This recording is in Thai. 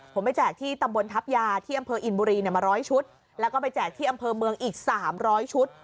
ผมไปแจกที่ตำบลทัพยาที่อำเภออินบุรีมาร้อยชุดแล้วก็ไปแจกที่อำเภอเมืองอีก๓๐๐ชุด